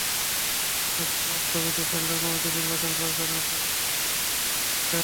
অর্থাৎ ward committee, centre committee, নির্বাচন পরিচালনা কমিটি গঠন করে কাজ করছেন।